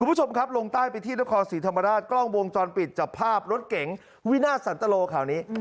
คุณผู้ชมครับลงใต้ไปที่นครศรีธรรมราชกล้องวงจรปิดจับภาพรถเก๋งวินาทสันตโลข่าวนี้